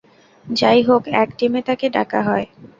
যাইহোক এক টিমে তাকে ডাকা হয়।